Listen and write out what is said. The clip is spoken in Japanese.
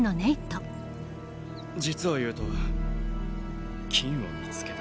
実を言うと金を見つけた。